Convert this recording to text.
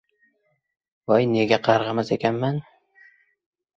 — Voy nega qarg‘amas ekanman?